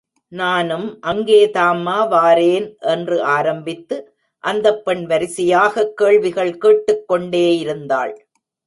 நானும் அங்கேதாம்மா வாரேன்! என்று ஆரம்பித்து, அந்தப் பெண் வரிசையாகக் கேள்விகள் கேட்டுக் கொண்டே இருந்தாள்.